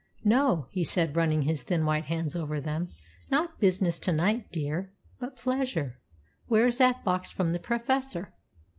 "No," he said, running his thin white hands over them, "not business to night, dear, but pleasure. Where is that box from the Professor?"